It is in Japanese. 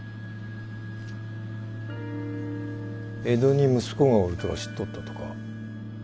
江戸に息子がおるとは知っとったとか？